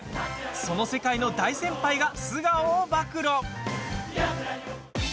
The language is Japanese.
その世界の大先輩が素顔を暴露。